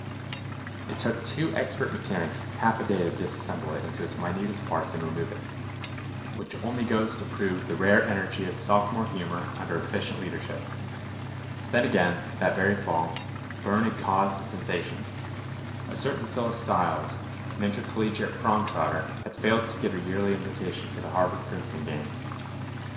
It took two expert mechanics half a day to dissemble it into its minutest parts and remove it, which only goes to prove the rare energy of sophomore humor under efficient leadership. Then again, that very fall, Burne had caused a sensation. A certain Phyllis Styles, an intercollegiate prom trotter, had failed to get her yearly invitation to the Harvard Princeton game.